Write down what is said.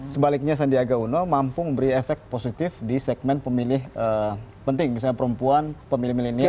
sebaliknya sandiaga uno mampu memberi efek positif di segmen pemilih penting misalnya perempuan pemilih milenial